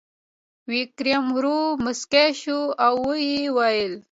ویکرم ورو موسک شو او وویل: